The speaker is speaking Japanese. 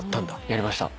やりました。